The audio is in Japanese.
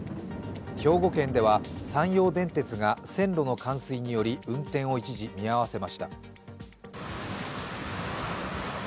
兵庫県では山陽電鉄が線路の冠水により運転を一時、見合わせました。